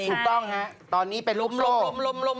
ถูกต้องฮะตอนนี้เป็นลุกโลก